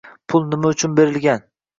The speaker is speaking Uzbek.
Pul nima uchun berilgan?